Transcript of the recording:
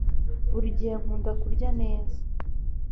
buri gihe nkunda kurya neza